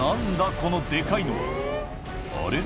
このデカいのはあれ？